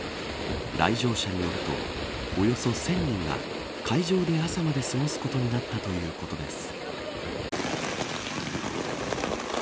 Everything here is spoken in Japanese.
来場者によるとおよそ１０００人が会場で朝まで過ごすことになったということです。